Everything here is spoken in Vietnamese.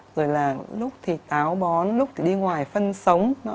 rồi là lúc thì táo bón lúc thì đi ngoài phân sống